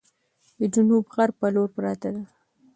د جنوب غرب په لور پرته ده،